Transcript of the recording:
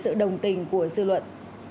sự đồng tình của dư luận